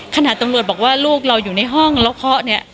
ตำรวจบอกว่าลูกเราอยู่ในห้องแล้วเคาะเนี่ย